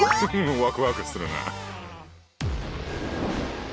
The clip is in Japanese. ワクワクするな！